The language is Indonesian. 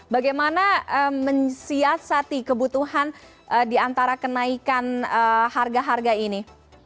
bagaimana mensiasati kebutuhan di antara kenaikan harga harga ini